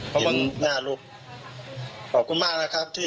เห็นหน้าลูกครับขอบคุณมากนะครับ